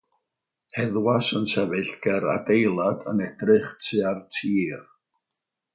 Heddwas yn sefyll ger adeilad yn edrych tua'r tir